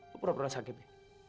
lo pernah sakit ya